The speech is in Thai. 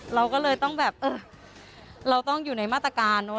เราก็เลยต้องแบบเออเราต้องอยู่ในมาตรการเนอะ